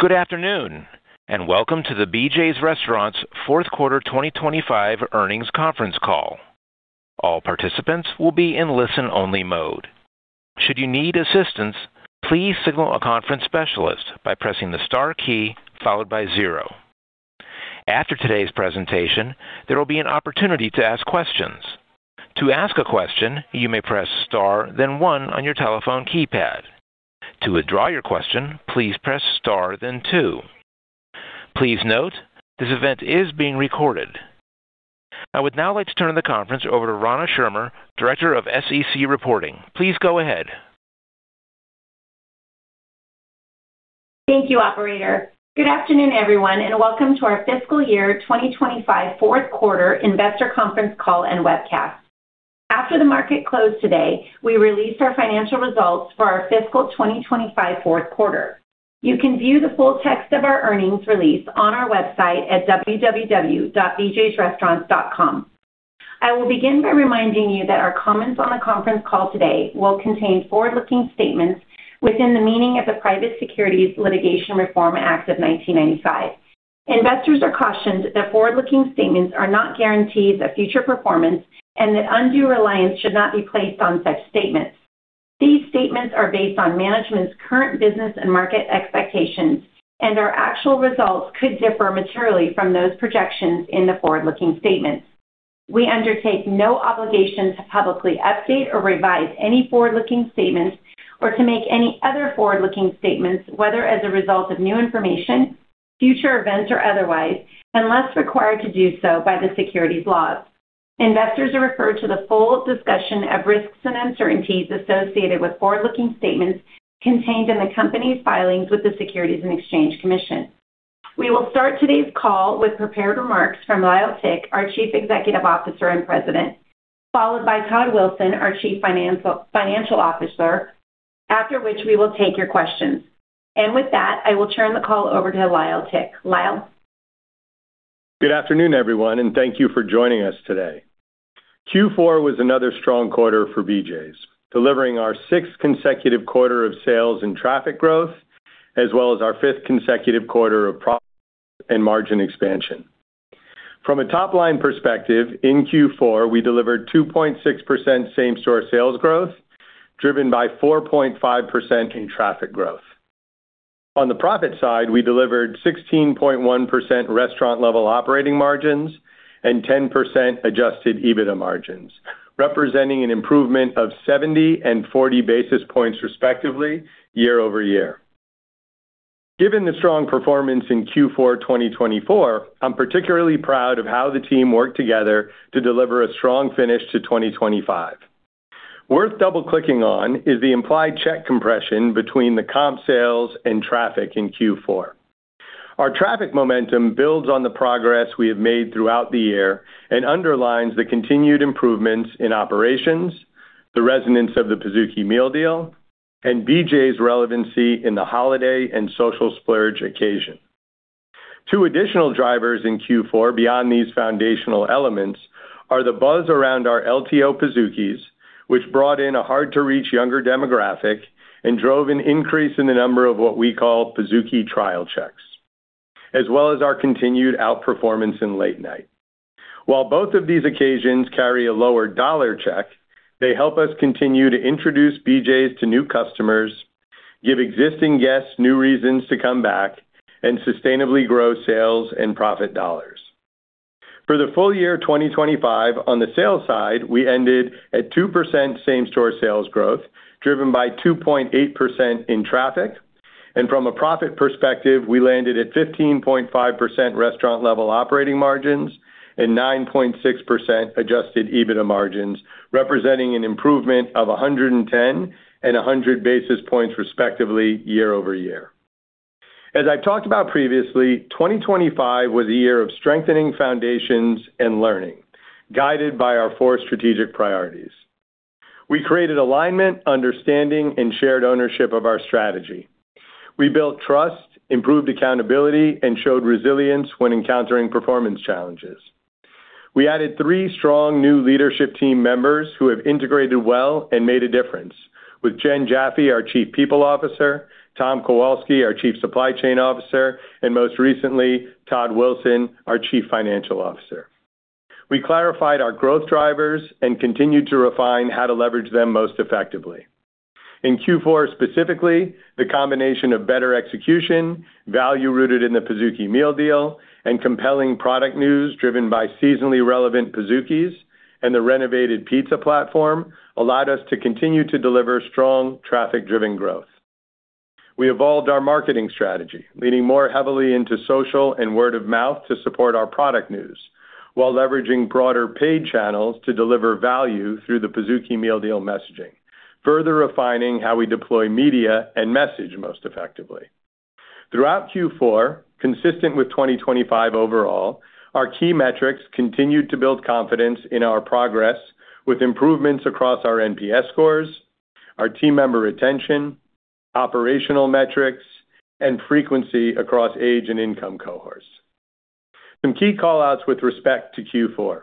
Good afternoon, welcome to BJ's Restaurants Q4 2025 earnings conference call. All participants will be in listen-only mode. Should you need assistance, please signal a conference specialist by pressing the star key followed by zero. After today's presentation, there will be an opportunity to ask questions. To ask a question, you may press star, then one on your telephone keypad. To withdraw your question, please press star, then two. Please note, this event is being recorded. I would now like to turn the conference over to Rana Schirmer, Director of SEC Reporting. Please go ahead. Thank you, Operator. Good afternoon, everyone, and welcome to our fiscal year 2025 Q4 investor conference call and webcast. After the market closed today, we released our financial results for our fiscal 2025 Q4. You can view the full text of our earnings release on our website at www.bjsrestaurants.com. I will begin by reminding you that our comments on the conference call today will contain forward-looking statements within the meaning of the Private Securities Litigation Reform Act of 1995. Investors are cautioned that forward-looking statements are not guarantees of future performance and that undue reliance should not be placed on such statements. These statements are based on management's current business and market expectations, and our actual results could differ materially from those projections in the forward-looking statements. We undertake no obligation to publicly update or revise any forward-looking statements or to make any other forward-looking statements, whether as a result of new information, future events, or otherwise, unless required to do so by the securities laws. Investors are referred to the full discussion of risks and uncertainties associated with forward-looking statements contained in the company's filings with the Securities and Exchange Commission. We will start today's call with prepared remarks from Lyle Tick, our Chief Executive Officer and President, followed by Todd Wilson, our Chief Financial Officer, after which we will take your questions. With that, I will turn the call over to Lyle Tick. Lyle? Good afternoon, everyone, and thank you for joining us today. Q4 was another strong quarter for BJ's, delivering our sixth consecutive quarter of sales and traffic growth, as well as our fifth consecutive quarter of profit and margin expansion. From a top-line perspective, in Q4, we delivered 2.6% same-store sales growth, driven by 4.5% in traffic growth. On the profit side, we delivered 16.1% restaurant-level operating margins and 10% adjusted EBITDA margins, representing an improvement of 70 and 40 basis points, respectively, year-over-year. Given the strong performance in Q4 2024, I'm particularly proud of how the team worked together to deliver a strong finish to 2025. Worth double-clicking on is the implied check compression between the comp sales and traffic in Q4. Our traffic momentum builds on the progress we have made throughout the year and underlines the continued improvements in operations, the resonance of the Pizookie Meal Deal, and BJ's relevancy in the holiday and social splurge occasion. Two additional drivers in Q4 beyond these foundational elements are the buzz around our LTO Pizookies, which brought in a hard-to-reach younger demographic and drove an increase in the number of what we call Pizookie trial checks, as well as our continued outperformance in late night. While both of these occasions carry a lower dollar check, they help us continue to introduce BJ's to new customers, give existing guests new reasons to come back, and sustainably grow sales and profit dollars. For the full year 2025, on the sales side, we ended at 2% same-store sales growth, driven by 2.8% in traffic. From a profit perspective, we landed at 15.5% restaurant-level operating margins and 9.6% adjusted EBITDA margins, representing an improvement of 110 and 100 basis points, respectively, year-over-year. As I've talked about previously, 2025 was a year of strengthening foundations and learning, guided by our four strategic priorities. We created alignment, understanding, and shared ownership of our strategy. We built trust, improved accountability, and showed resilience when encountering performance challenges. We added three strong new leadership team members who have integrated well and made a difference with Jen Jaffe, our Chief People Officer, Tom Kowalski, our Chief Supply Chain Officer, and most recently, Todd Wilson, our Chief Financial Officer. We clarified our growth drivers and continued to refine how to leverage them most effectively. In Q4, specifically, the combination of better execution, value rooted in the Pizookie Meal Deal, and compelling product news driven by seasonally relevant Pizookies and the renovated pizza platform allowed us to continue to deliver strong traffic-driven growth. We evolved our marketing strategy, leaning more heavily into social and word of mouth to support our product news, while leveraging broader paid channels to deliver value through the Pizookie Meal Deal messaging, further refining how we deploy media and message most effectively. Throughout Q4, consistent with 2025 overall, our key metrics continued to build confidence in our progress with improvements across our NPS scores, our team member retention, operational metrics, and frequency across age and income cohorts. Some key callouts with respect to Q4.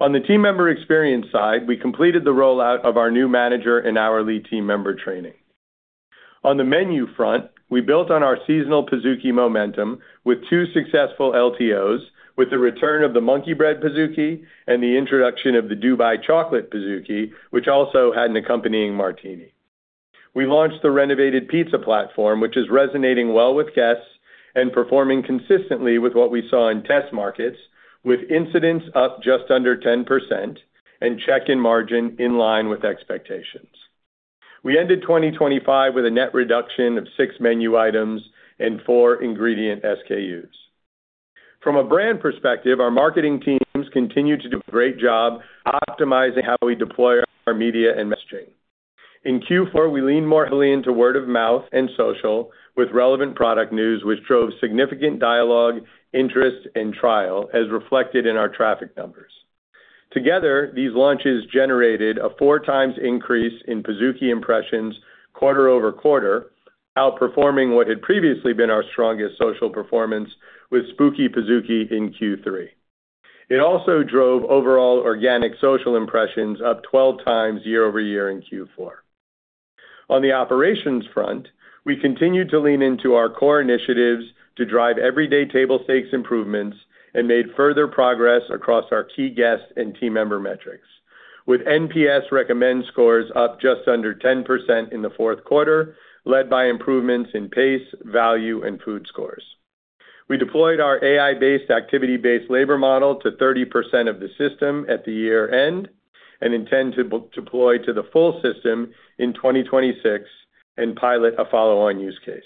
On the team member experience side, we completed the rollout of our new manager and hourly team member training. On the menu front, we built on our seasonal Pizookie momentum with two successful LTOs, with the return of the Monkey Bread Pizookie and the introduction of the Dubai Chocolate Pizookie, which also had an accompanying martini. We launched the renovated pizza platform, which is resonating well with guests and performing consistently with what we saw in test markets, with incidents up just under 10% and check-in margin in line with expectations. We ended 2025 with a net reduction of six menu items and four ingredient SKUs. From a brand perspective, our marketing teams continued to do a great job optimizing how we deploy our media and messaging. In Q4, we leaned more heavily into word of mouth and social, with relevant product news, which drove significant dialogue, interest, and trial, as reflected in our traffic numbers. Together, these launches generated a four times increase in Pizookie impressions quarter-over-quarter, outperforming what had previously been our strongest social performance with Spooky Pizookie in Q3. It also drove overall organic social impressions up 12 times year-over-year in Q4. On the operations front, we continued to lean into our core initiatives to drive everyday table stakes improvements and made further progress across our key guests and team member metrics, with NPS recommend scores up just under 10% in the Q4, led by improvements in pace, value, and food scores. We deployed our AI-based activity-based labor model to 30% of the system at the year-end and intend to deploy to the full system in 2026 and pilot a follow-on use case.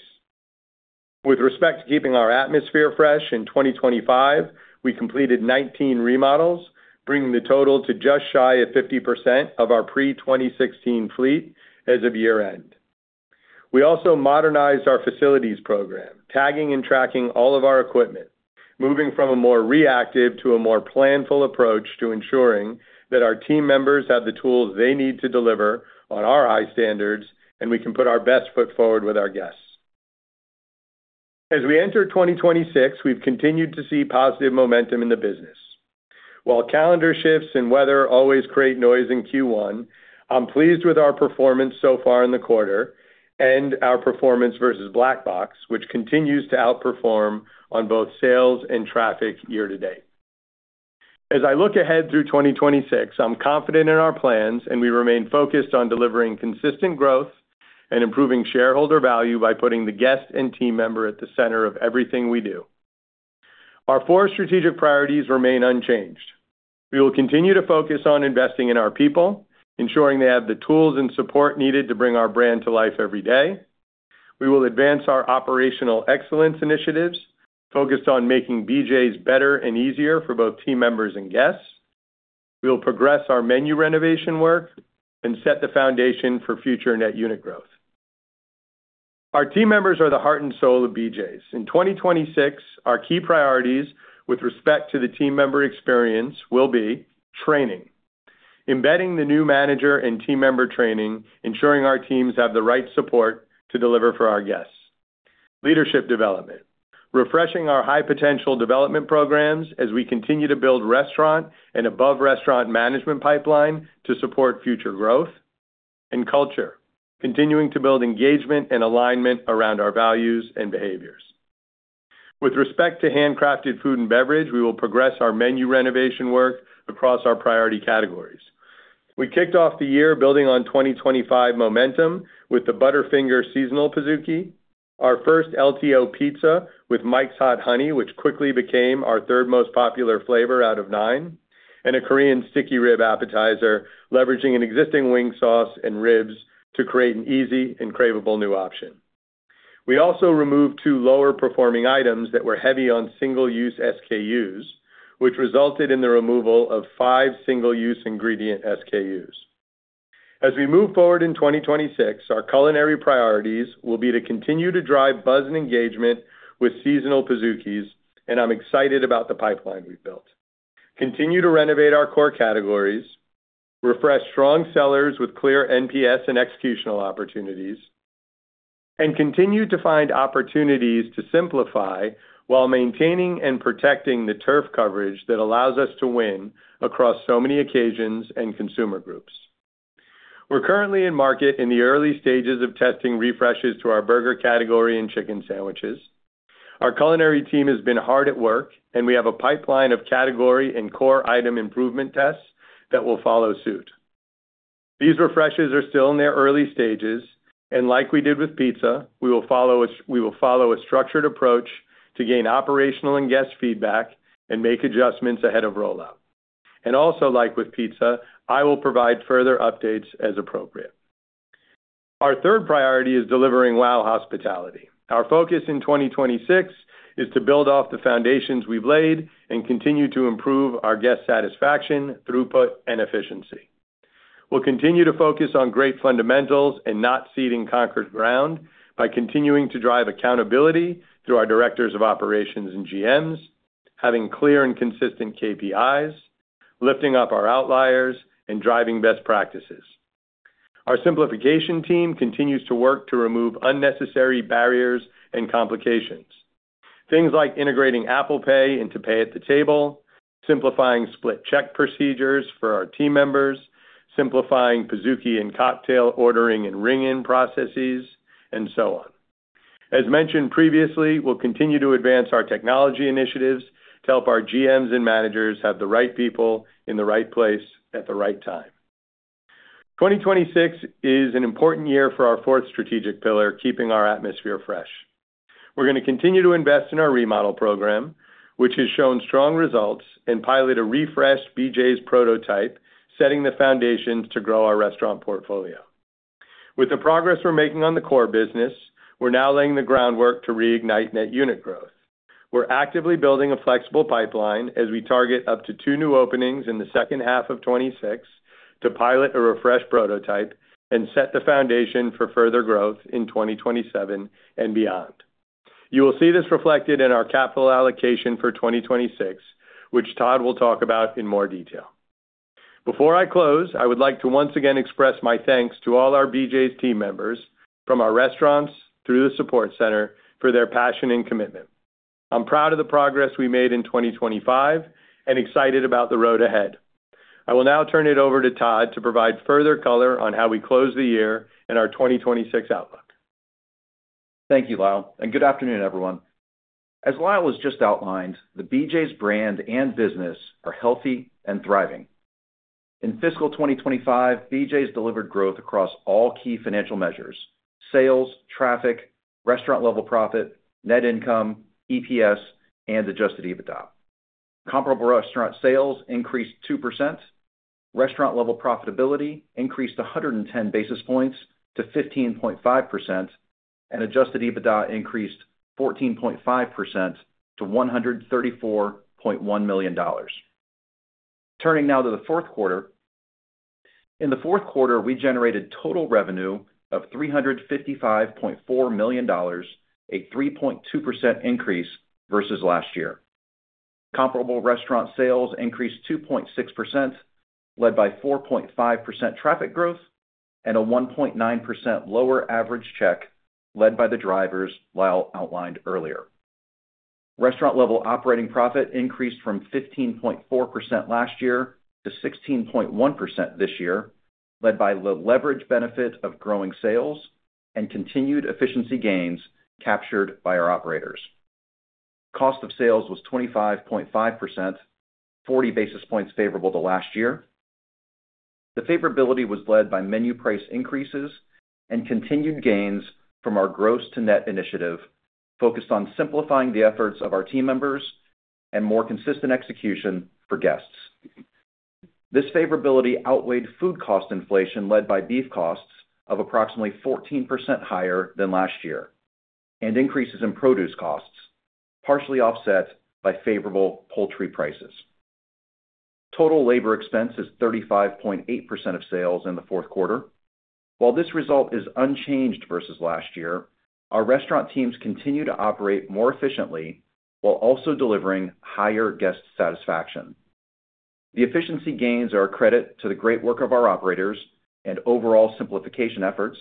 With respect to keeping our atmosphere fresh in 2025, we completed 19 remodels, bringing the total to just shy of 50% of our pre-2016 fleet as of year-end. We also modernized our facilities program, tagging and tracking all of our equipment, moving from a more reactive to a more planful approach to ensuring that our team members have the tools they need to deliver on our high standards, and we can put our best foot forward with our guests. As we enter 2026, we've continued to see positive momentum in the business. While calendar shifts and weather always create noise in Q1, I'm pleased with our performance so far in the quarter and our performance versus Black Box, which continues to outperform on both sales and traffic year-to-date. As I look ahead through 2026, I'm confident in our plans. We remain focused on delivering consistent growth and improving shareholder value by putting the guest and team member at the center of everything we do. Our four strategic priorities remain unchanged. We will continue to focus on investing in our people, ensuring they have the tools and support needed to bring our brand to life every day. We will advance our operational excellence initiatives, focused on making BJ's better and easier for both team members and guests. We will progress our menu renovation work and set the foundation for future net unit growth. Our team members are the heart and soul of BJ's. In 2026, our key priorities with respect to the team member experience will be training, embedding the new manager and team member training, ensuring our teams have the right support to deliver for our guests. Leadership development, refreshing our high-potential development programs as we continue to build restaurant and above restaurant management pipeline to support future growth and culture, continuing to build engagement and alignment around our values and behaviors. With respect to handcrafted food and beverage, we will progress our menu renovation work across our priority categories. We kicked off the year building on 2025 momentum with the Butterfinger seasonal Pizookie, our first LTO pizza with Mike's Hot Honey, which quickly became our 3rd most popular flavor out of nine, and a Korean Sticky Ribs appetizer, leveraging an existing wing sauce and ribs to create an easy and craveable new option. We also removed two lower-performing items that were heavy on single-use SKUs, which resulted in the removal of five single-use ingredient SKUs. As we move forward in 2026, our culinary priorities will be to continue to drive buzz and engagement with seasonal Pizookies, and I'm excited about the pipeline we've built. Continue to renovate our core categories, refresh strong sellers with clear NPS and executional opportunities, and continue to find opportunities to simplify while maintaining and protecting the turf coverage that allows us to win across so many occasions and consumer groups. We're currently in market in the early stages of testing refreshes to our burger category and chicken sandwiches. Our culinary team has been hard at work, and we have a pipeline of category and core item improvement tests that will follow suit. These refreshes are still in their early stages, like we did with pizza, we will follow a structured approach to gain operational and guest feedback and make adjustments ahead of rollout. Also, like with pizza, I will provide further updates as appropriate. Our third priority is delivering wow hospitality. Our focus in 2026 is to build off the foundations we've laid and continue to improve our guest satisfaction, throughput, and efficiency. We'll continue to focus on great fundamentals and not ceding conquered ground by continuing to drive accountability through our directors of operations and GMs, having clear and consistent KPIs, lifting up our outliers, and driving best practices. Our simplification team continues to work to remove unnecessary barriers and complications. Things like integrating Apple Pay into pay at the table, simplifying split check procedures for our team members, simplifying Pizookie and cocktail ordering and ring-in processes, and so on. As mentioned previously, we'll continue to advance our technology initiatives to help our GMs and managers have the right people in the right place at the right time. 2026 is an important year for our fourth strategic pillar, keeping our atmosphere fresh. We're going to continue to invest in our remodel program, which has shown strong results, and pilot a refreshed BJ's prototype, setting the foundation to grow our restaurant portfolio. With the progress we're making on the core business, we're now laying the groundwork to reignite net unit growth. We're actively building a flexible pipeline as we target up to two new openings in the second half of 2026 to pilot a refresh prototype and set the foundation for further growth in 2027 and beyond. You will see this reflected in our capital allocation for 2026, which Todd will talk about in more detail. Before I close, I would like to once again express my thanks to all our BJ's team members, from our restaurants through the support center, for their passion and commitment. I'm proud of the progress we made in 2025 and excited about the road ahead. I will now turn it over to Todd to provide further color on how we close the year and our 2026 outlook. Thank you, Lyle. Good afternoon, everyone. As Lyle has just outlined, the BJ's brand and business are healthy and thriving. In fiscal 2025, BJ's delivered growth across all key financial measures: sales, traffic, restaurant-level profit, net income, EPS, and adjusted EBITDA. Comparable restaurant sales increased 2%, restaurant-level profitability increased 110 basis points to 15.5%. Adjusted EBITDA increased 14.5% to $134.1 million. Turning now to the Q4. In the Q4, we generated total revenue of $355.4 million, a 3.2% increase versus last year. Comparable restaurant sales increased 2.6%, led by 4.5% traffic growth and a 1.9% lower average check, led by the drivers Lyle outlined earlier. Restaurant-level operating profit increased from 15.4% last year to 16.1% this year, led by the leverage benefit of growing sales and continued efficiency gains captured by our operators. Cost of sales was 25.5%, 40 basis points favorable to last year. The favorability was led by menu price increases and continued gains from our gross to net initiative, focused on simplifying the efforts of our team members and more consistent execution for guests. This favorability outweighed food cost inflation, led by beef costs of approximately 14% higher than last year, and increases in produce costs, partially offset by favorable poultry prices. Total labor expense is 35.8% of sales in the Q4. While this result is unchanged versus last year, our restaurant teams continue to operate more efficiently while also delivering higher guest satisfaction. The efficiency gains are a credit to the great work of our operators and overall simplification efforts,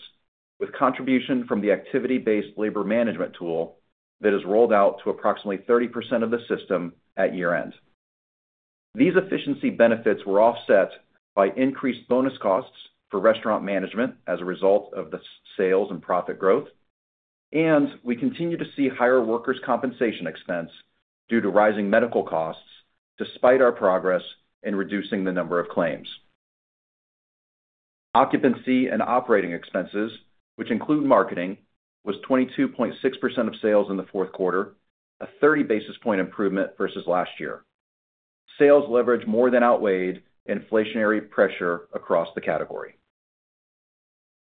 with contribution from the activity-based labor management tool that is rolled out to approximately 30% of the system at year-end. These efficiency benefits were offset by increased bonus costs for restaurant management as a result of the sales and profit growth. We continue to see higher workers' compensation expense due to rising medical costs, despite our progress in reducing the number of claims. Occupancy and operating expenses, which include marketing, was 22.6% of sales in the Q4, a 30 basis point improvement versus last year. Sales leverage more than outweighed inflationary pressure across the category.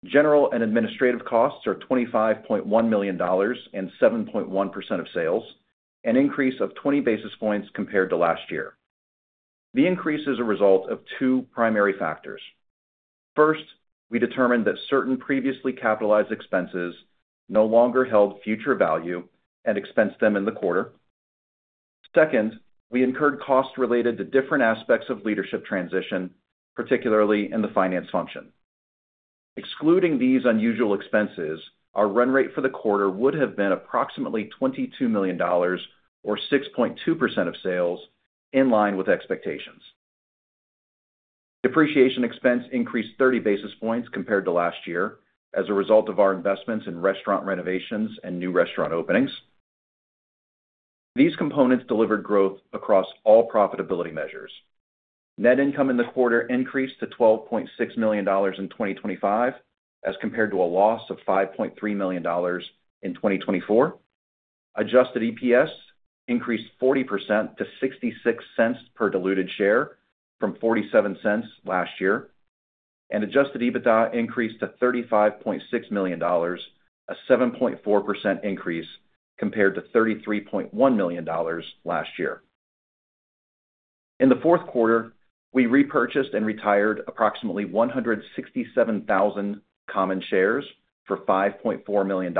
General and administrative costs are $25.1 million and 7.1% of sales, an increase of 20 basis points compared to last year. The increase is a result of two primary factors. First, we determined that certain previously capitalized expenses no longer held future value and expensed them in the quarter. Second, we incurred costs related to different aspects of leadership transition, particularly in the finance function. Excluding these unusual expenses, our run rate for the quarter would have been approximately $22 million or 6.2% of sales, in line with expectations. Depreciation expense increased 30 basis points compared to last year as a result of our investments in restaurant renovations and new restaurant openings. These components delivered growth across all profitability measures. Net income in the quarter increased to $12.6 million in 2025, as compared to a loss of $5.3 million in 2024. Adjusted EPS increased 40% to $0.66 per diluted share from $0.47 last year, and adjusted EBITDA increased to $35.6 million, a 7.4% increase compared to $33.1 million last year. In the Q4, we repurchased and retired approximately 167,000 common shares for $5.4 million.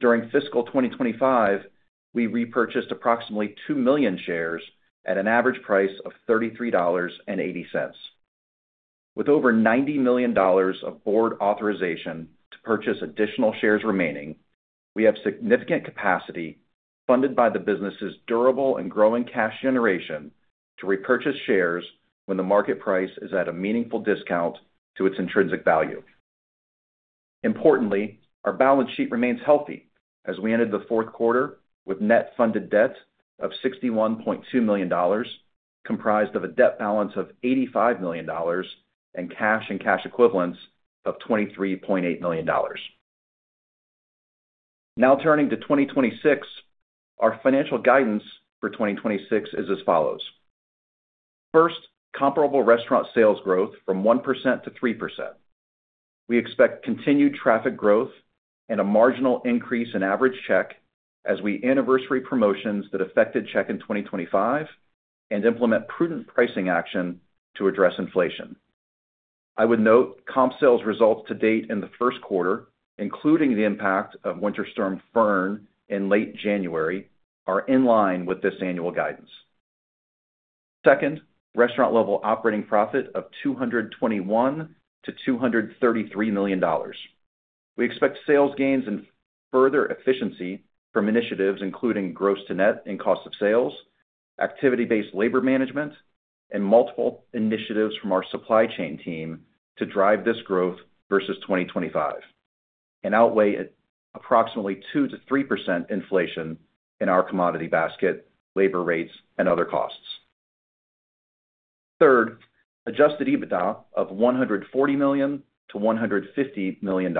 During fiscal 2025, we repurchased approximately 2 million shares at an average price of $33.80. With over $90 million of board authorization to purchase additional shares remaining, we have significant capacity, funded by the business's durable and growing cash generation, to repurchase shares when the market price is at a meaningful discount to its intrinsic value. Importantly, our balance sheet remains healthy as we ended the Q4 with net funded debt of $61.2 million, comprised of a debt balance of $85 million and cash and cash equivalents of $23.8 million. Turning to 2026. Our financial guidance for 2026 is as follows: First, comparable restaurant sales growth from 1%-3%. We expect continued traffic growth and a marginal increase in average check as we anniversary promotions that affected check in 2025 and implement prudent pricing action to address inflation. I would note comp sales results to date in the Q1, including the impact of Winter Storm Finn in late January, are in line with this annual guidance. Second, restaurant level operating profit of $221 million-$233 million. We expect sales gains and further efficiency from initiatives including gross to net in cost of sales, activity-based labor management, and multiple initiatives from our supply chain team to drive this growth versus 2025 and outweigh approximately 2%-3% inflation in our commodity basket, labor rates, and other costs. Third, adjusted EBITDA of $140 million-$150 million.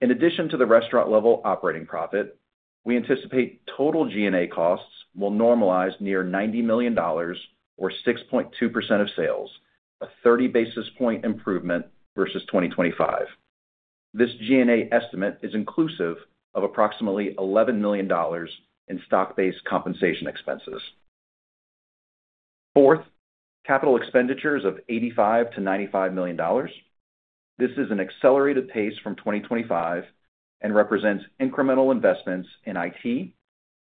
In addition to the restaurant level operating profit, we anticipate total G&A costs will normalize near $90 million, or 6.2% of sales, a 30 basis point improvement versus 2025. This G&A estimate is inclusive of approximately $11 million in stock-based compensation expenses. Fourth, capital expenditures of $85 million-$95 million. This is an accelerated pace from 2025 and represents incremental investments in IT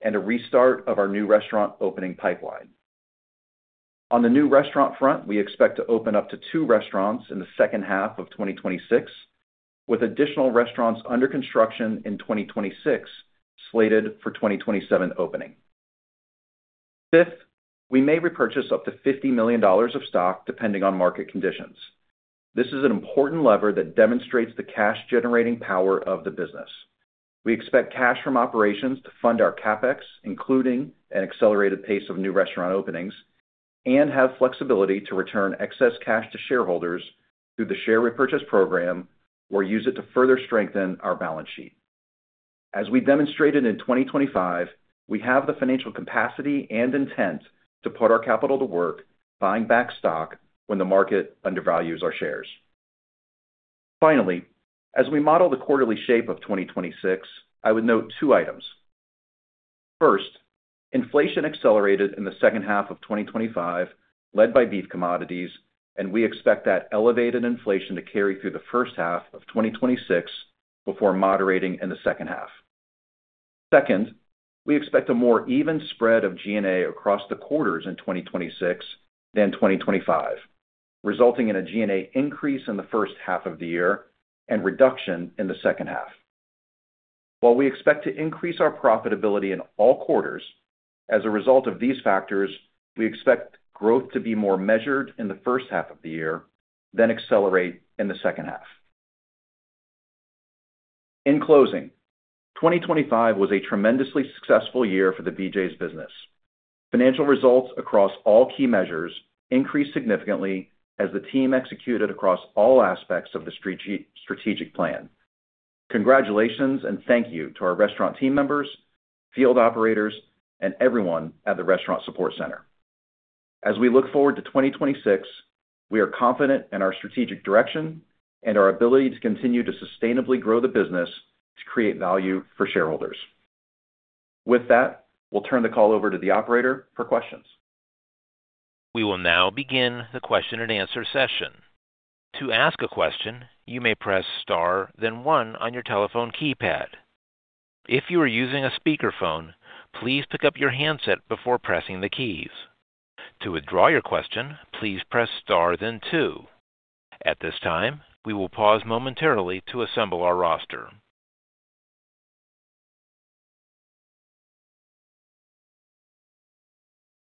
and a restart of our new restaurant opening pipeline. On the new restaurant front, we expect to open up to two restaurants in the second half of 2026, with additional restaurants under construction in 2026, slated for 2027 opening. Fifth, we may repurchase up to $50 million of stock, depending on market conditions. This is an important lever that demonstrates the cash-generating power of the business. We expect cash from operations to fund our CapEx, including an accelerated pace of new restaurant openings, and have flexibility to return excess cash to shareholders through the share repurchase program, or use it to further strengthen our balance sheet. As we demonstrated in 2025, we have the financial capacity and intent to put our capital to work buying back stock when the market undervalues our shares. As we model the quarterly shape of 2026, I would note two items. First, inflation accelerated in the second half of 2025, led by beef commodities, and we expect that elevated inflation to carry through the first half of 2026 before moderating in the second half. Second, we expect a more even spread of G&A across the quarters in 2026 than 2025, resulting in a G&A increase in the first half of the year and reduction in the second half. While we expect to increase our profitability in all quarters as a result of these factors, we expect growth to be more measured in the first half of the year, then accelerate in the second half. In closing, 2025 was a tremendously successful year for the BJ's business. Financial results across all key measures increased significantly as the team executed across all aspects of the strategic plan. Congratulations, thank you to our restaurant team members, field operators, and everyone at the Restaurant Support Center. As we look forward to 2026, we are confident in our strategic direction and our ability to continue to sustainably grow the business to create value for shareholders. With that, we'll turn the call over to the operator for questions. We will now begin the question-and-answer session. To ask a question, you may press Star, then one on your telephone keypad. If you are using a speakerphone, please pick up your handset before pressing the keys. To withdraw your question, please press Star then two. At this time, we will pause momentarily to assemble our roster.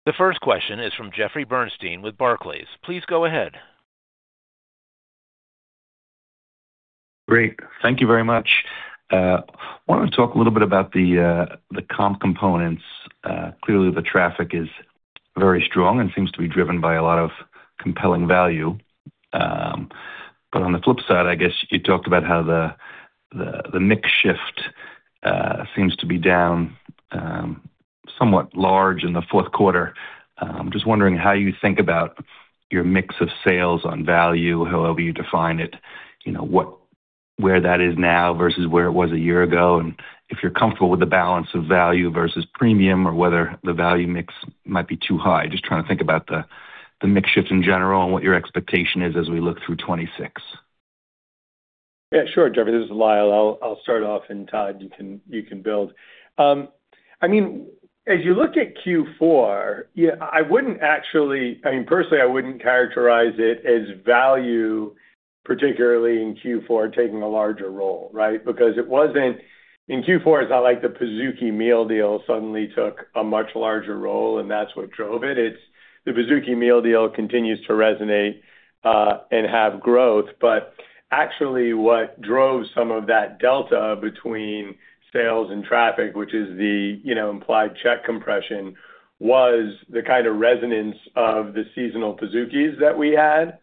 The first question is from Jeffrey Bernstein with Barclays. Please go ahead. Great. Thank you very much. I want to talk a little bit about the comp components. Clearly, the traffic is very strong and seems to be driven by a lot of compelling value. On the flip side, I guess you talked about how the mix shift seems to be down somewhat large in the Q4. Just wondering how you think about your mix of sales on value, however you define it. You know, where that is now versus where it was a year ago, and if you're comfortable with the balance of value versus premium, or whether the value mix might be too high. Just trying to think about the mix shifts in general and what your expectation is as we look through 2026. Yeah, sure, Jeffrey, this is Lyle. I'll start off, and Todd, you can build. I mean, as you look at Q4, yeah, I wouldn't actually I mean, personally, I wouldn't characterize it as value, particularly in Q4, taking a larger role, right? Because it wasn't, in Q4, it's not like the Pizookie Meal Deal suddenly took a much larger role, and that's what drove it. It's the Pizookie Meal Deal continues to resonate and have growth. Actually, what drove some of that delta between sales and traffic, which is the, you know, implied check compression, was the kind of resonance of the seasonal Pizookies that we had.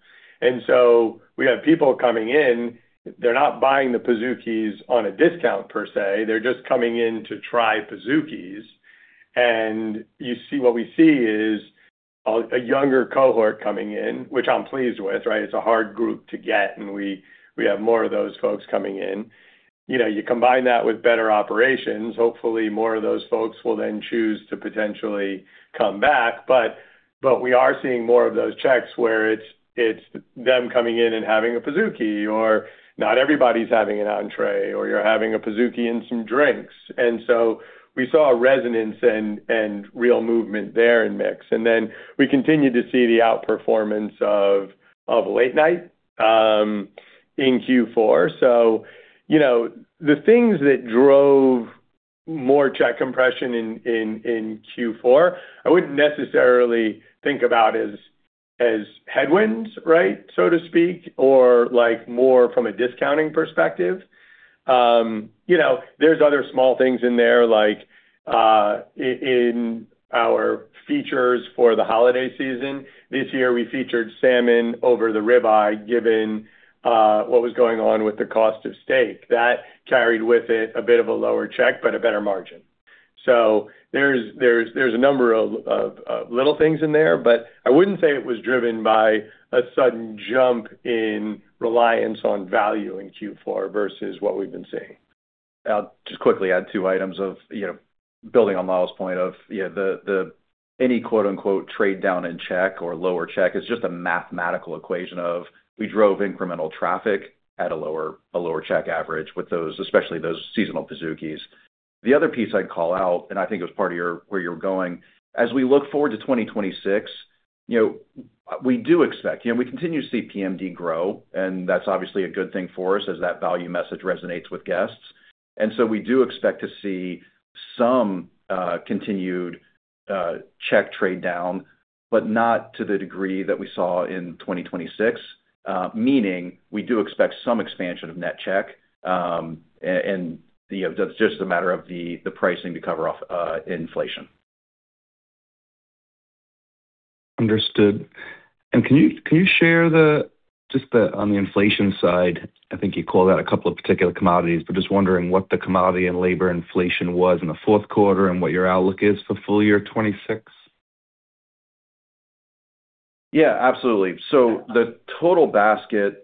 So we have people coming in, they're not buying the Pizookies on a discount per se, they're just coming in to try Pizookies. What we see is a younger cohort coming in, which I'm pleased with, right? It's a hard group to get, and we have more of those folks coming in. You know, you combine that with better operations, hopefully, more of those folks will then choose to potentially come back. We are seeing more of those checks where it's them coming in and having a Pizookie, or not everybody's having an entrée, or you're having a Pizookie and some drinks. We saw a resonance and real movement there in mix. We continued to see the outperformance of late night in Q4. You know, the things that drove more check compression in Q4, I wouldn't necessarily think about as headwinds, right? So to speak, or like more from a discounting perspective. You know, there's other small things in there, like in our features for the holiday season. This year, we featured salmon over the rib eye, given what was going on with the cost of steak. That carried with it a bit of a lower check, but a better margin. There's a number of little things in there, but I wouldn't say it was driven by a sudden jump in reliance on value in Q4 versus what we've been seeing. I'll just quickly add two items of, you know, building on Lyle's point of, you know, the any, quote-unquote, "trade down in check or lower check" is just a mathematical equation of we drove incremental traffic at a lower check average with those, especially those seasonal Pizookies. The other piece I'd call out, I think it was part of your where you're going, as we look forward to 2026, you know, we continue to see PMD grow. That's obviously a good thing for us as that value message resonates with guests. We do expect to see some continued check trade down, but not to the degree that we saw in 2026, meaning we do expect some expansion of net check, and, you know, that's just a matter of the pricing to cover off inflation. Understood. Can you share just the, on the inflation side, I think you called out a couple of particular commodities, but just wondering what the commodity and labor inflation was in the Q4 and what your outlook is for full year 2026? Yeah, absolutely. The total basket,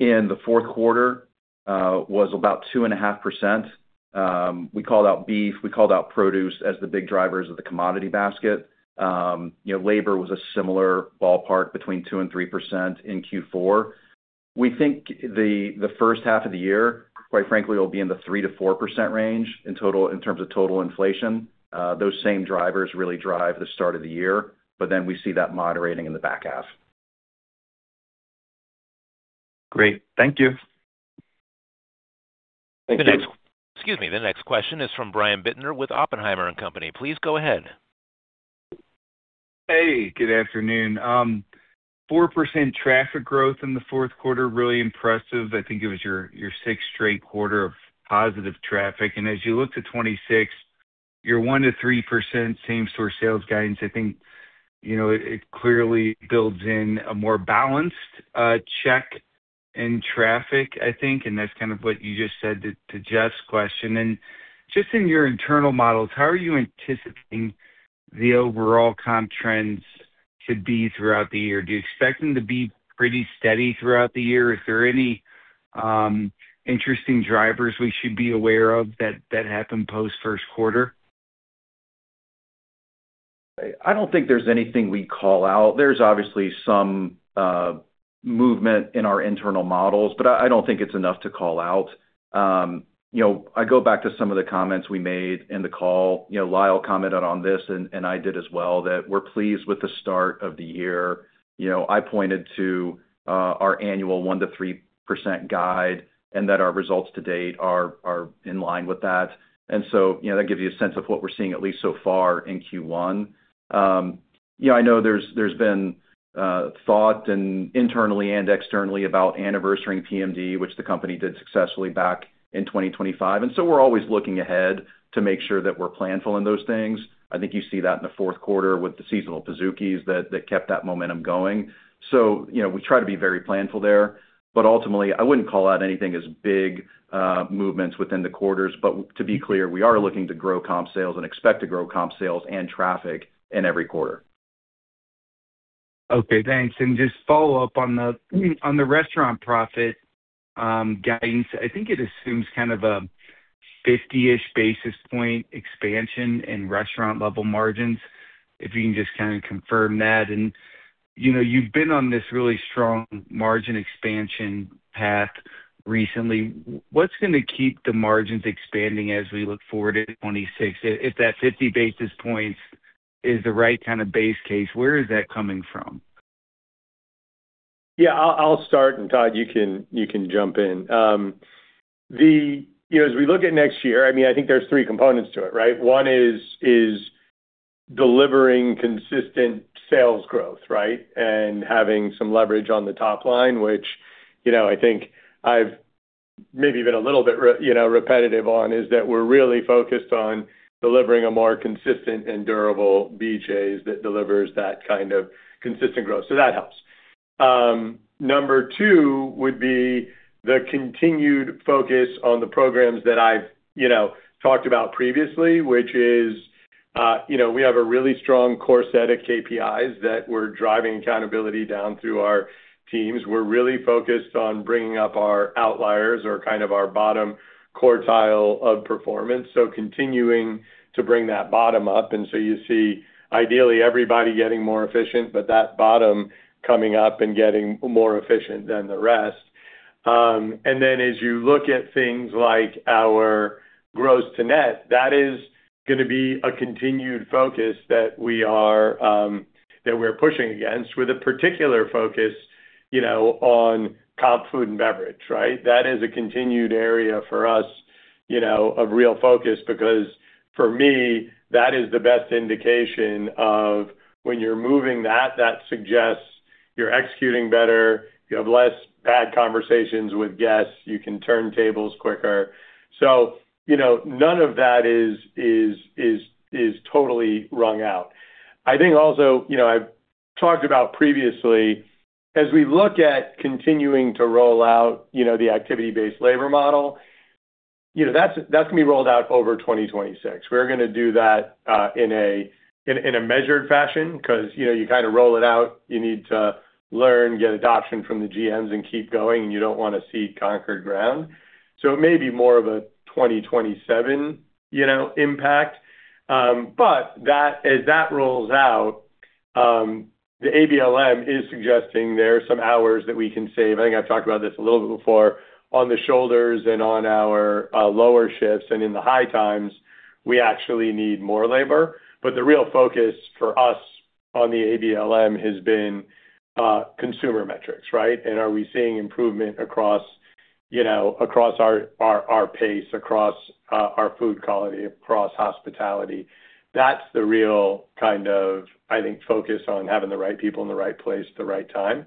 in the Q4, was about 2.5%. We called out beef, we called out produce as the big drivers of the commodity basket. You know, labor was a similar ballpark between 2%-3% in Q4. We think the first half of the year, quite frankly, will be in the 3%-4% range in total, in terms of total inflation. Those same drivers really drive the start of the year, but then we see that moderating in the back half. Great. Thank you. Thank you. Excuse me. The next question is from Brian Bittner with Oppenheimer & Co. Inc. Please go ahead. Hey, good afternoon. 4% traffic growth in the Q4, really impressive. I think it was your sixth straight quarter of positive traffic. As you look to 2026, your 1%-3% same-store sales guidance, I think, you know, it clearly builds in a more balanced check in traffic, I think, and that's kind of what you just said to Jeffrey's question. Just in your internal models, how are you anticipating the overall comp trends to be throughout the year? Do you expect them to be pretty steady throughout the year? Is there any interesting drivers we should be aware of that happen post Q1? I don't think there's anything we call out. There's obviously some movement in our internal models, but I don't think it's enough to call out. You know, I go back to some of the comments we made in the call. You know, Lyle commented on this, and I did as well, that we're pleased with the start of the year. You know, I pointed to our annual 1% to 3% guide and that our results to date are in line with that. You know, that gives you a sense of what we're seeing, at least so far in Q1. Yeah, I know there's been thought internally and externally about anniversarying PMD, which the company did successfully back in 2025. We're always looking ahead to make sure that we're planful in those things. I think you see that in the Q4 with the seasonal Pizookies, that kept that momentum going. You know, we try to be very planful there, but ultimately, I wouldn't call out anything as big movements within the quarters. To be clear, we are looking to grow comp sales and expect to grow comp sales and traffic in every quarter. Okay, thanks. Just follow up on the, on the restaurant profit, guidance. I think it assumes kind of.... fifty-ish basis point expansion in restaurant level margins, if you can just kind of confirm that. You know, you've been on this really strong margin expansion path recently. What's going to keep the margins expanding as we look forward to 2026? If that 50 basis points is the right kind of base case, where is that coming from? Yeah, I'll start, and Todd, you can, you can jump in. You know, as we look at next year, I mean, I think there's three components to it, right? One is delivering consistent sales growth, right? And having some leverage on the top line, which, you know, I think I've maybe been a little bit repetitive on, is that we're really focused on delivering a more consistent and durable BJ's that delivers that kind of consistent growth. That helps. Number two would be the continued focus on the programs that I've, you know, talked about previously, which is, you know, we have a really strong core set of KPIs that we're driving accountability down through our teams. We're really focused on bringing up our outliers or kind of our bottom quartile of performance, so continuing to bring that bottom up. You see, ideally, everybody getting more efficient, but that bottom coming up and getting more efficient than the rest. As you look at things like our gross to net, that is going to be a continued focus that we are pushing against, with a particular focus, you know, on comp food and beverage, right. That is a continued area for us, you know, of real focus, because for me, that is the best indication of when you're moving that suggests you're executing better, you have less bad conversations with guests, you can turn tables quicker. You know, none of that is totally wrung out. I think also, you know, I've talked about previously, as we look at continuing to roll out, you know, the activity-based labor model, you know, that's going to be rolled out over 2026. We're going to do that in a measured fashion, because, you know, you kind of roll it out. You need to learn, get adoption from the GMs, and keep going, and you don't want to see conquered ground. It may be more of a 2027, you know, impact. That, as that rolls out, the ABLM is suggesting there are some hours that we can save. I think I've talked about this a little bit before. On the shoulders and on our lower shifts and in the high times, we actually need more labor. The real focus for us on the ABLM has been consumer metrics, right? Are we seeing improvement across, you know, across our pace, across our food quality, across hospitality? That's the real kind of, I think, focus on having the right people in the right place at the right time.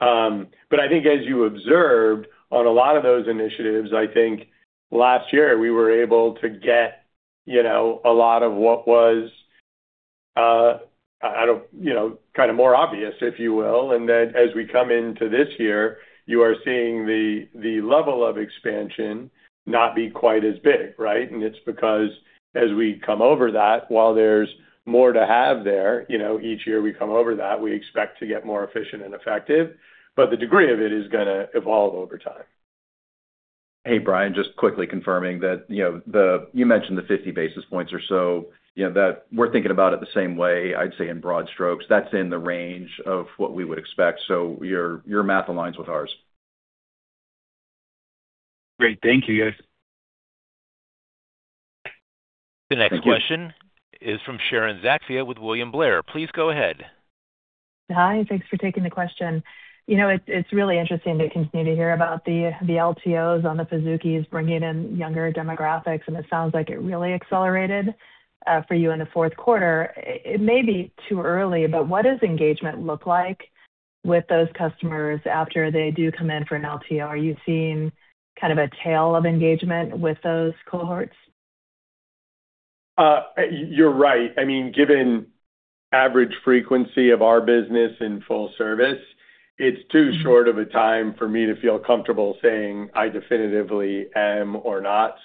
I think as you observed, on a lot of those initiatives, I think last year we were able to get, you know, a lot of what was out of, you know, kind of more obvious, if you will. As we come into this year, you are seeing the level of expansion not be quite as big, right? It's because as we come over that, while there's more to have there, you know, each year we come over that, we expect to get more efficient and effective, but the degree of it is gonna evolve over time. Hey, Brian, just quickly confirming that, you know, you mentioned the 50 basis points or so, you know, that we're thinking about it the same way. I'd say in broad strokes, that's in the range of what we would expect. Your math aligns with ours. Great. Thank you, guys. The next question is from Sharon Zackfia with William Blair. Please go ahead. Hi, thanks for taking the question. You know, it's really interesting to continue to hear about the LTOs on the Pizookies bringing in younger demographics. It sounds like it really accelerated for you in the Q4. It may be too early. What does engagement look like with those customers after they do come in for an LTO? Are you seeing kind of a tail of engagement with those cohorts? You're right. I mean, given average frequency of our business in full service, it's too short of a time for me to feel comfortable saying I definitively am or not.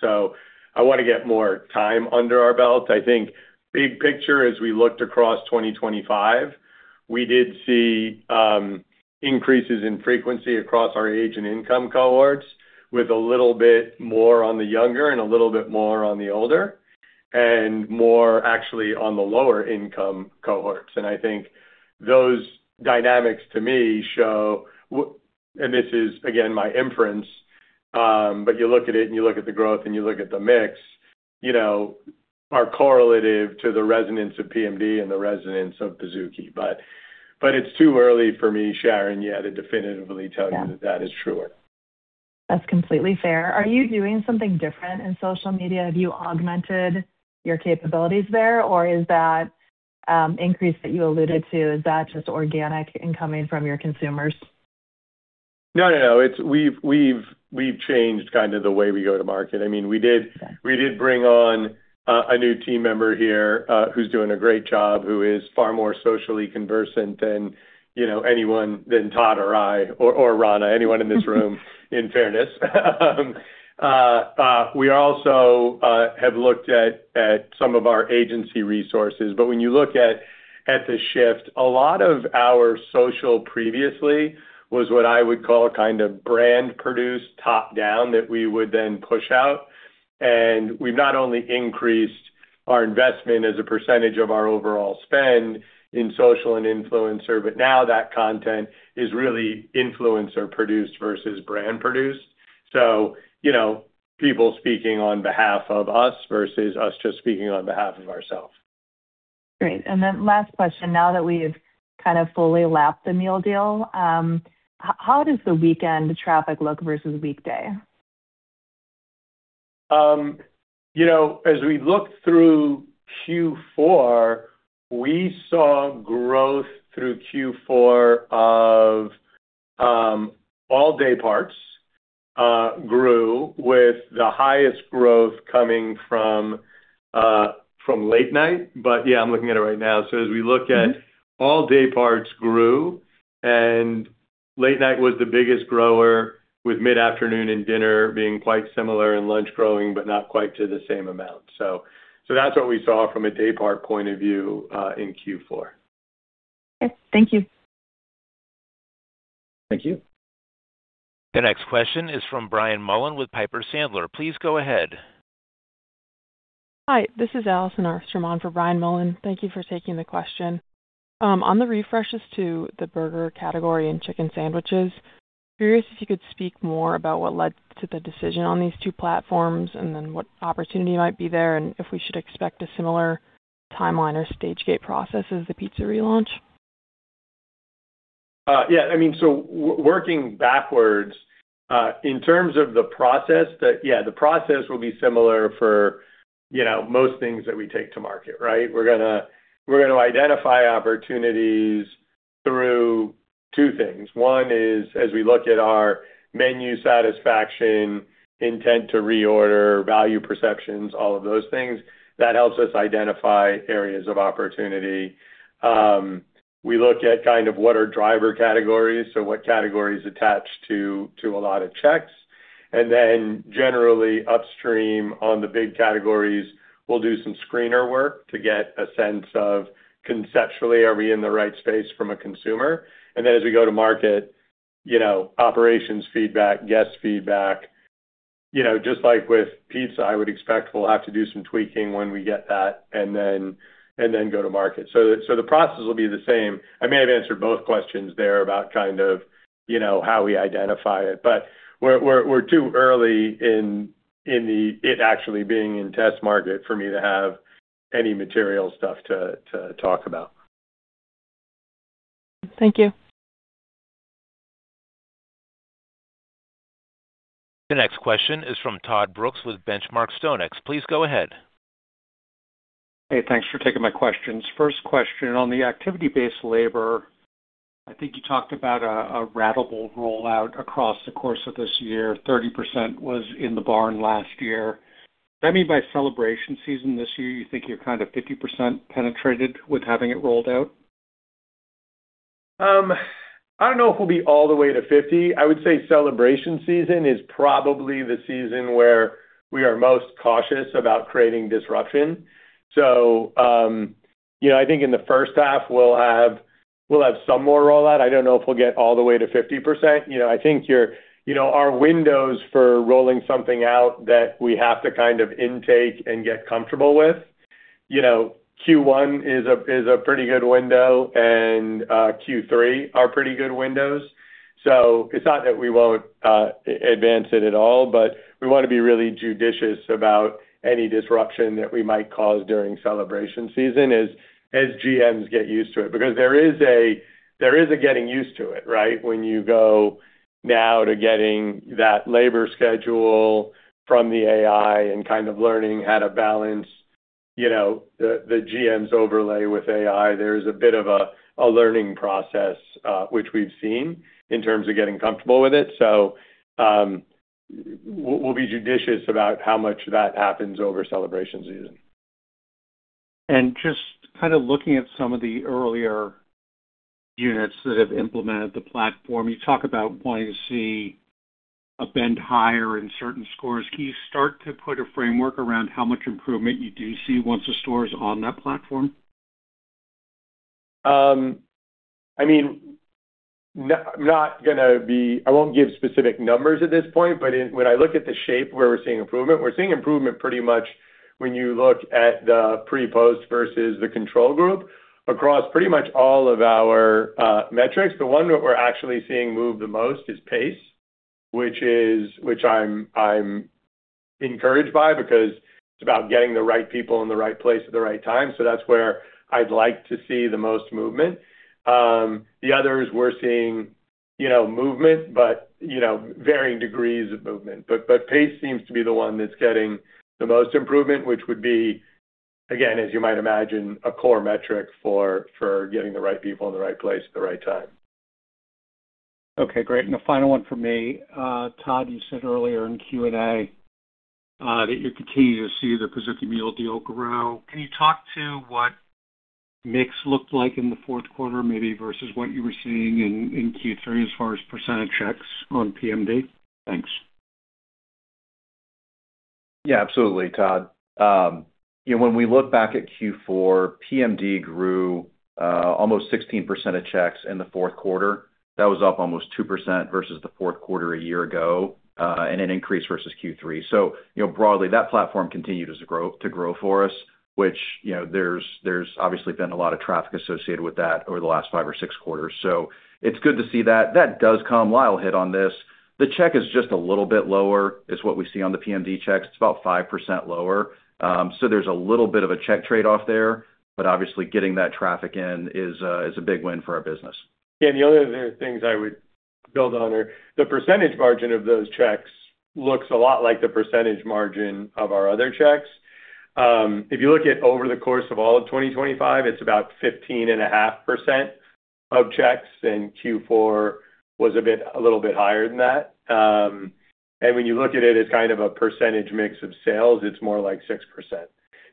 I want to get more time under our belt. I think big picture, as we looked across 2025, we did see increases in frequency across our age and income cohorts, with a little bit more on the younger and a little bit more on the older, and more actually on the lower income cohorts. I think those dynamics to me show and this is, again, my inference, but you look at it, and you look at the growth, and you look at the mix, you know, are correlative to the resonance of PMD and the resonance of Pizookie. It's too early for me, Sharon, yet to definitively tell you. Yeah. that is truer. That's completely fair. Are you doing something different in social media? Have you augmented your capabilities there, or is that increase that you alluded to, is that just organic and coming from your consumers? No, no. We've changed kind of the way we go to market. I mean, Yeah. We did bring on a new team member here, who's doing a great job, who is far more socially conversant than, you know, anyone than Todd or I or Rana, anyone in this room, in fairness. We also have looked at some of our agency resources. When you look at the shift, a lot of our social previously was what I would call a kind of brand-produced top-down that we would then push out. We've not only increased our investment as a percentage of our overall spend in social and influencer, but now that content is really influencer-produced versus brand-produced. You know, people speaking on behalf of us versus us just speaking on behalf of ourselves. Great. Last question, now that we've kind of fully lapped the meal deal, how does the weekend traffic look versus weekday? You know, as we look through Q4, we saw growth through Q4 of all day parts grew, with the highest growth coming from late night. Yeah, I'm looking at it right now. As we look at all day parts grew, and late night was the biggest grower, with mid-afternoon and dinner being quite similar, and lunch growing, but not quite to the same amount. That's what we saw from a day part point of view in Q4. Okay. Thank you. Thank you. The next question is from Brian Mullan with Piper Sandler. Please go ahead. Hi, this is Allison Armstrong for Brian Mullan. Thank you for taking the question. On the refreshes to the burger category and chicken sandwiches, curious if you could speak more about what led to the decision on these two platforms, what opportunity might be there, if we should expect a similar timeline or stage gate process as the pizza relaunch? Yeah, I mean, so working backwards, in terms of the process, that, yeah, the process will be similar for, you know, most things that we take to market, right? We're gonna identify opportunities through two things. One is, as we look at our menu satisfaction, intent to reorder, value perceptions, all of those things, that helps us identify areas of opportunity. We look at kind of what are driver categories, so what categories attach to a lot of checks. Then generally, upstream on the big categories, we'll do some screener work to get a sense of, conceptually, are we in the right space from a consumer? As we go to market, you know, operations feedback, guest feedback, you know, just like with pizza, I would expect we'll have to do some tweaking when we get that and then go to market. The process will be the same. I may have answered both questions there about kind of, you know, how we identify it, but we're too early in it actually being in test market for me to have any material stuff to talk about. Thank you. The next question is from Todd Brooks with The Benchmark Company. Please go ahead. Hey, thanks for taking my questions. First question, on the activity-based labor, I think you talked about a ratable rollout across the course of this year. 30% was in the barn last year. Does that mean by celebration season this year, you think you're kind of 50% penetrated with having it rolled out? I don't know if we'll be all the way to 50. I would say celebration season is probably the season where we are most cautious about creating disruption. You know, I think in the first half we'll have some more rollout. I don't know if we'll get all the way to 50%. You know, I think you know, our windows for rolling something out that we have to kind of intake and get comfortable with, you know, Q1 is a pretty good window, and Q3 are pretty good windows. It's not that we won't advance it at all, but we want to be really judicious about any disruption that we might cause during celebration season as GMs get used to it. There is a getting used to it, right? When you go now to getting that labor schedule from the AI and kind of learning how to balance, you know, the GMs overlay with AI, there's a bit of a learning process, which we've seen in terms of getting comfortable with it. We'll be judicious about how much that happens over celebration season. Just kind of looking at some of the earlier units that have implemented the platform, you talk about wanting to see a bend higher in certain scores. Can you start to put a framework around how much improvement you do see once a store is on that platform? I mean, I won't give specific numbers at this point, when I look at the shape where we're seeing improvement, we're seeing improvement pretty much when you look at the pre/post versus the control group across pretty much all of our metrics. The one that we're actually seeing move the most is pace, which I'm encouraged by, because it's about getting the right people in the right place at the right time. That's where I'd like to see the most movement. The others we're seeing, you know, movement, but, you know, varying degrees of movement. But pace seems to be the one that's getting the most improvement, which would be, again, as you might imagine, a core metric for getting the right people in the right place at the right time. Okay, great. A final one from me. Todd, you said earlier in Q&A, that you're continuing to see the Pizookie Meal Deal grow. Can you talk to what mix looked like in the Q4, maybe versus what you were seeing in Q3, as far as % checks on PMD? Thanks. Yeah, absolutely, Todd. Yeah, when we look back at Q4, PMD grew almost 16% of checks in the Q4. That was up almost 2% versus the Q4 a year-ago, an increase versus Q3. You know, broadly, that platform continues to grow for us, which, you know, there's obviously been a lot of traffic associated with that over the last five or six quarters. It's good to see that. That does come. Lyle hit on this. The check is just a little bit lower, is what we see on the PMD checks. It's about 5% lower. There's a little bit of a check trade-off there, but obviously getting that traffic in is a big win for our business. The other things I would build on are the percentage margin of those checks looks a lot like the percentage margin of our other checks. If you look at over the course of all of 2025, it's about 15.5% of checks, and Q4 was a little bit higher than that. When you look at it as kind of a percentage mix of sales, it's more like 6%.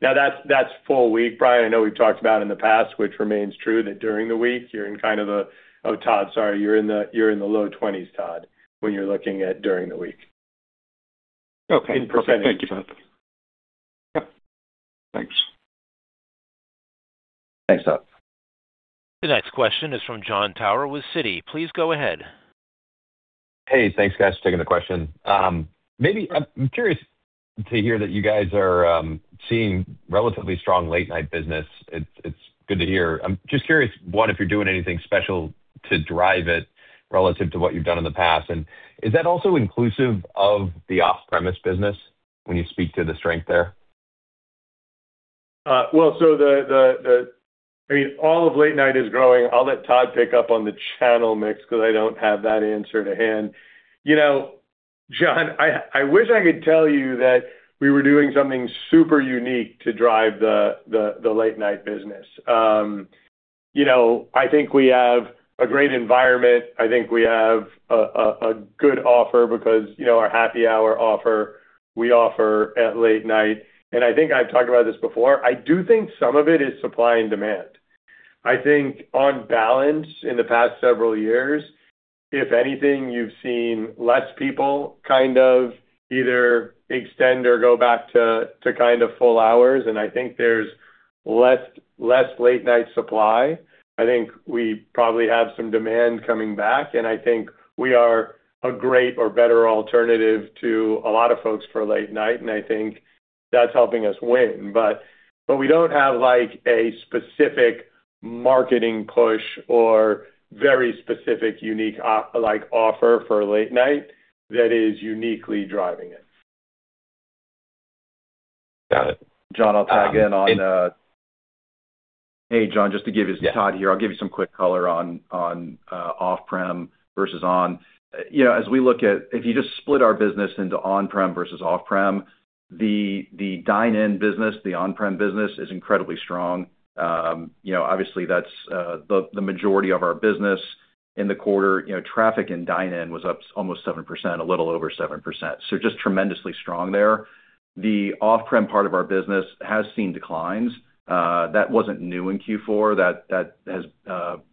That's full week, Brian. I know we've talked about in the past, which remains true, that during the week, you're in kind of the low twenties, Todd, when you're looking at during the week. Okay, perfect. Thank you, sir. Yep, thanks. Next up. The next question is from Jon Tower with Citi. Please go ahead. Hey, thanks, guys. Taking the question. Maybe I'm curious to hear that you guys are seeing relatively strong late night business. It's good to hear. I'm just curious, one, if you're doing anything special to drive it relative to what you've done in the past, and is that also inclusive of the off-premise business when you speak to the strength there? Well, all of late night is growing. I'll let Todd Wilson pick up on the channel mix because I don't have that answer to hand. You know, Jon Tower, I wish I could tell you that we were doing something super unique to drive the late night business. You know, I think we have a great environment. I think we have a good offer because, you know, our happy hour offer, we offer at late night, and I think I've talked about this before. I do think some of it is supply and demand. I think on balance, in the past several years, if anything, you've seen less people kind of either extend or go back to kind of full hours, and I think there's less late-night supply. I think we probably have some demand coming back, and I think we are a great or better alternative to a lot of folks for late night, and I think that's helping us win. We don't have, like, a specific marketing push or very specific, unique like, offer for late night that is uniquely driving it. Got it. Jon, I'll tag in on. Hey, Jon, just to give you. It's Todd here. I'll give you some quick color on off-prem versus on. You know, if you just split our business into on-prem versus off-prem, the dine-in business, the on-prem business, is incredibly strong. You know, obviously, that's the majority of our business in the quarter. You know, traffic in dine-in was up almost 7%, a little over 7%, so just tremendously strong there. The off-prem part of our business has seen declines. That wasn't new in Q4. That has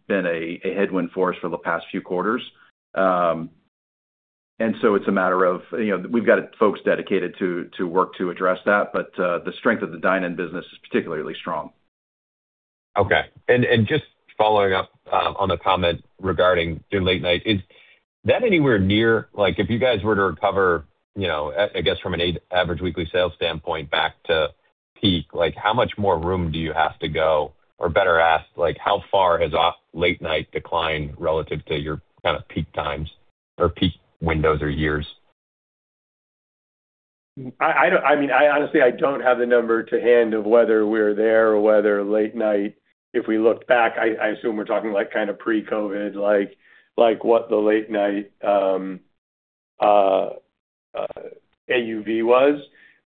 been a headwind for us for the past few quarters. It's a matter of, you know, we've got folks dedicated to work to address that, but the strength of the dine-in business is particularly strong. Okay. Just following up on the comment regarding the late night, is that anywhere near like, if you guys were to recover, you know, I guess from an average weekly sales standpoint back to peak, like, how much more room do you have to go? Better asked, like, how far has off late night declined relative to your kind of peak times or peak windows or years? I mean, I honestly, I don't have the number to hand of whether we're there or whether late night, if we look back, I assume we're talking, like, kind of pre-COVID, like, what the late night AUV was.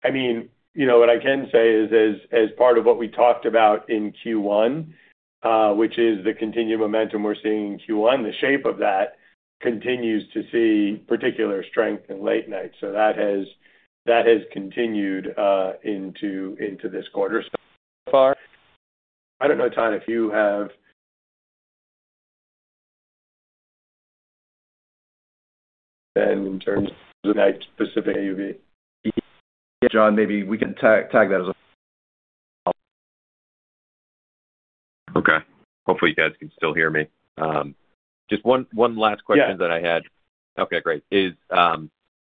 I mean, you know, what I can say is, as part of what we talked about in Q1, which is the continued momentum we're seeing in Q1, the shape of that continues to see particular strength in late night. That has continued into this quarter so far. I don't know, Todd, if you have... In terms of that specific AUV, Jon, maybe we can tag that as well. Okay. Hopefully, you guys can still hear me. Just one last question? Yeah. -that I had. Okay, great. Is,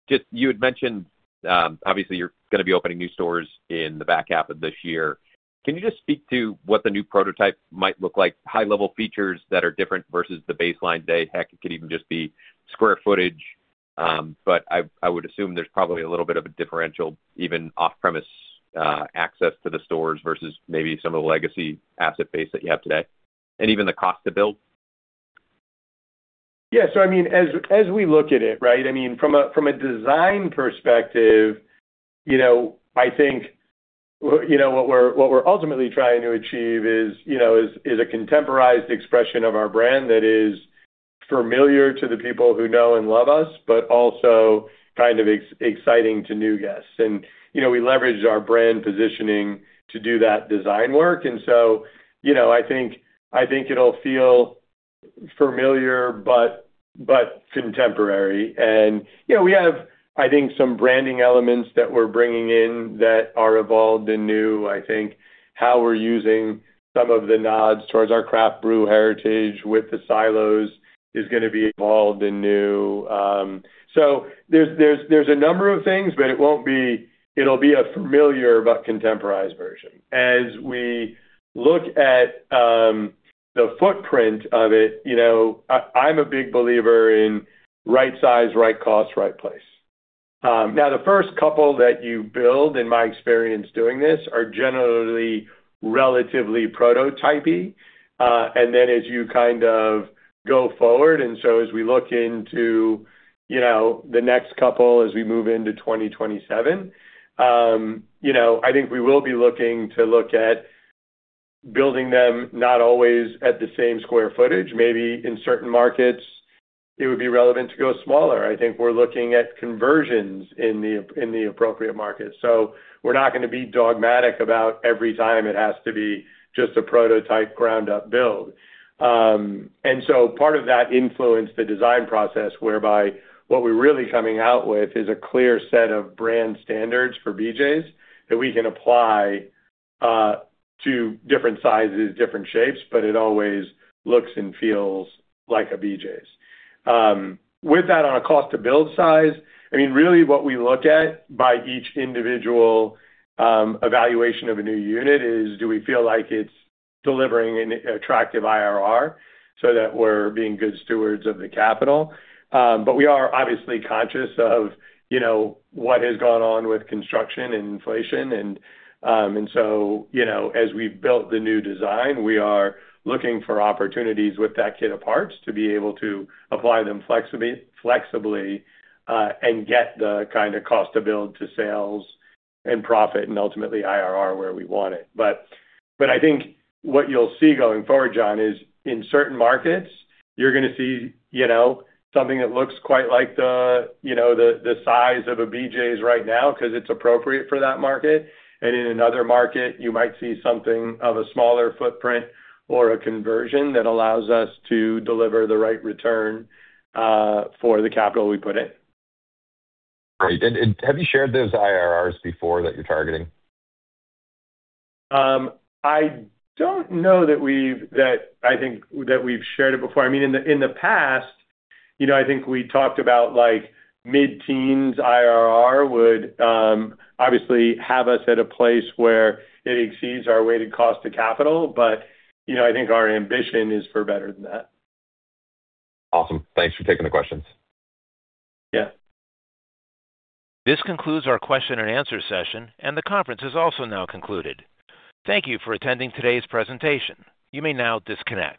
just you had mentioned, obviously you're going to be opening new stores in the back half of this year. Can you just speak to what the new prototype might look like? High-level features that are different versus the baseline day. Heck, it could even just be square footage, but I would assume there's probably a little bit of a differential, even off-premise, access to the stores versus maybe some of the legacy asset base that you have today, and even the cost to build. Yeah. I mean, as we look at it, right? I mean, from a design perspective, you know, I think, well, you know, what we're ultimately trying to achieve is, you know, is a contemporized expression of our brand that is familiar to the people who know and love us, but also kind of exciting to new guests. You know, we leverage our brand positioning to do that design work, you know, I think it'll feel familiar, but contemporary. You know, we have, I think, some branding elements that we're bringing in that are evolved and new. I think how we're using some of the nods towards our craft brew heritage with the silos is gonna be evolved and new. There's a number of things, but it won't be, it'll be a familiar but contemporized version. As we look at the footprint of it, you know, I'm a big believer in right size, right cost, right place. Now, the first couple that you build, in my experience doing this, are generally relatively prototypey. Then as you kind of go forward, so as we look into, you know, the next couple, as we move into 2027, you know, I think we will be looking to look at building them, not always at the same square footage. Maybe in certain markets it would be relevant to go smaller. I think we're looking at conversions in the appropriate markets, so we're not gonna be dogmatic about every time it has to be just a prototype ground-up build. Part of that influenced the design process, whereby what we're really coming out with is a clear set of brand standards for BJ's that we can apply to different sizes, different shapes, but it always looks and feels like a BJ's. With that, on a cost-to-build size, I mean, really what we look at by each individual evaluation of a new unit is, do we feel like it's delivering an attractive IRR so that we're being good stewards of the capital? We are obviously conscious of, you know, what has gone on with construction and inflation. You know, as we've built the new design, we are looking for opportunities with that kit of parts to be able to apply them flexibly and get the kind of cost to build, to sales and profit, and ultimately IRR, where we want it. I think what you'll see going forward, Jon, is in certain markets, you're gonna see, you know, something that looks quite like the, you know, the size of a BJ's right now, 'cause it's appropriate for that market. And in another market, you might see something of a smaller footprint or a conversion that allows us to deliver the right return for the capital we put in. Great. Have you shared those IRRs before that you're targeting? I don't know that, I think, that we've shared it before. I mean, in the, in the past, you know, I think we talked about, like, mid-teens IRR would obviously have us at a place where it exceeds our weighted cost to capital. You know, I think our ambition is for better than that. Awesome. Thanks for taking the questions. Yeah. This concludes our question-and-answer session, and the conference is also now concluded. Thank you for attending today's presentation. You may now disconnect.